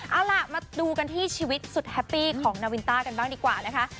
เอาล่ะมาดูกันที่ชีวิตสุดแฮปปี้ของนาวินต้ากันบ้างดีกว่านะคะ